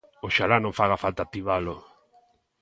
¡Oxalá non faga falta activalo!